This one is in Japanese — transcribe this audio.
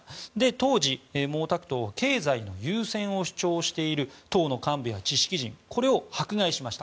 当時、毛沢東は経済の優先を主張している党の幹部や知識人これを迫害しました。